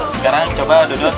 sekarang coba duduk